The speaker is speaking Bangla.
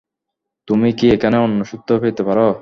তুমি কি এখানে অন্য সূত্র পেতে পার?